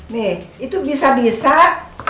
nih itu bisa bisa jadi salah paham kalau ngomong gitu